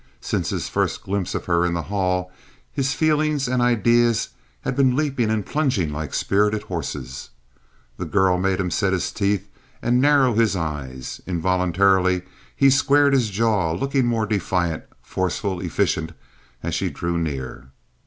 Since his first glimpse of her in the hall, his feelings and ideas had been leaping and plunging like spirited horses. This girl made him set his teeth and narrow his eyes. Involuntarily he squared his jaw, looking more defiant, forceful, efficient, as she drew near.